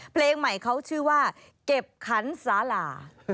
เพลงใหม่เขาชื่อว่าเก็บขันสาหร่า